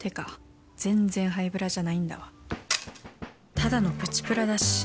ただのプチプラだし。